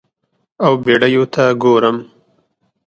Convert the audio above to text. او بیړیو ته ګورم